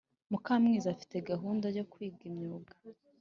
mukamwezi afite gahunda yo kwiga imyuga